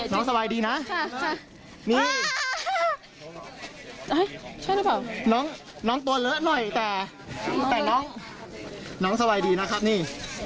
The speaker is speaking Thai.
น้องสบายดีนะน้องตัวเลอะหน่อยแต่น้องน้องสบายดีนะครับนี่